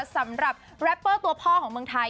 สำหรับแรปเปอร์ตัวพ่อของเมืองไทย